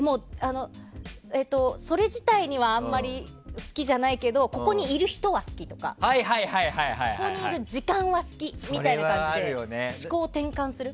それ自体はあまり好きじゃないけどここにいる人は好きとかここにいる時間は好きみたいな感じで思考を転換する。